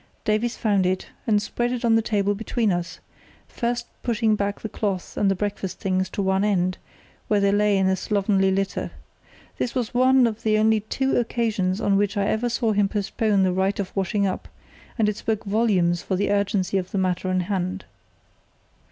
Davies found it and spread it on the table between us, first pushing back the cloth and the breakfast things to one end, where they lay in a slovenly litter. This was one of the only two occasions on which I ever saw him postpone the rite of washing up, and it spoke volumes for the urgency of the matter in hand.